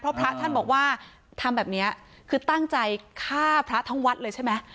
พระท่านบอกว่าทำแบบนี้คือตั้งใจฆ่าพระทั้งวัดเลยใช่ไหม